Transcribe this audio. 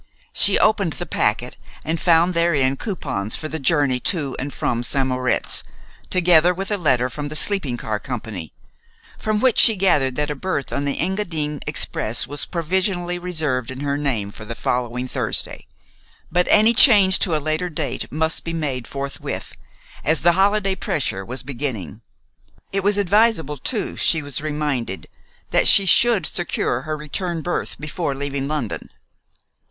She opened the packet and found therein coupons for the journey to and from St. Moritz, together with a letter from the sleeping car company, from which she gathered that a berth on the Engadine Express was provisionally reserved in her name for the following Thursday, but any change to a later date must be made forthwith, as the holiday pressure was beginning. It was advisable too, she was reminded, that she should secure her return berth before leaving London.